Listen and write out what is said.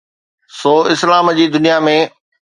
سو اسلام جي دنيا ۾.